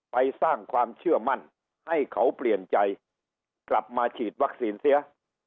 ไปสร้างความเชื่อมั่นให้เขาเปลี่ยนใจกลับมาฉีดวัคซีนเสีย